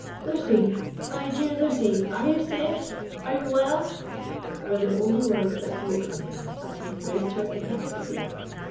"Lucy, my dear Lucy, are you safe?—are you well?" were the only words that broke from him as he embraced her in ecstasy.